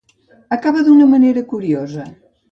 Acaba d'una manera curiosa.